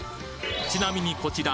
ちなみにこちら